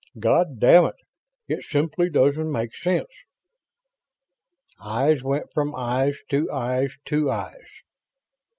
God damn it, it simply doesn't make sense!" Eyes went from eyes to eyes to eyes.